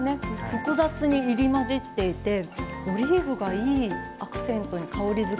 複雑に入りまじっていてオリーブがいいアクセントに香りづけになってます。